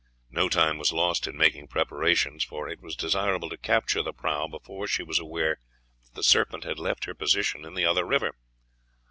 No time was lost in making preparations, for it was desirable to capture the prahu before she was aware that the Serpent had left her position in the other river.